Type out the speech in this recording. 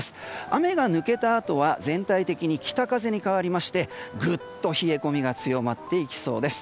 雨が抜けたあとは全体的に北風に変わりましてぐっと冷え込みが強まっていきそうです。